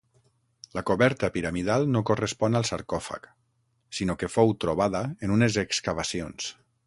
La coberta piramidal no correspon al sarcòfag, sinó que fou trobada en unes excavacions.